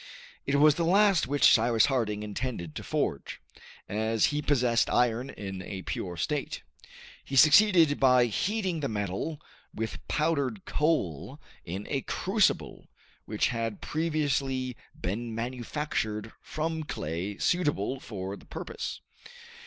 It was the last which Cyrus Harding intended to forge, as he possessed iron in a pure state. He succeeded by heating the metal with powdered coal in a crucible which had previously been manufactured from clay suitable for the purpose.